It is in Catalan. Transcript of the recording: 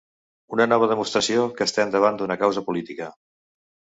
Una nova demostració que estem davant d’una causa política.